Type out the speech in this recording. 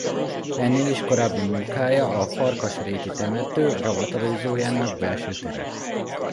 Ennél is korábbi munkája a Farkasréti temető ravatalozójának belső tere.